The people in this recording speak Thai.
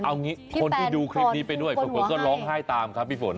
เอางี้คนที่ดูคลิปนี้ไปด้วยปรากฏก็ร้องไห้ตามครับพี่ฝน